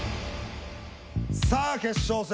さあ決勝戦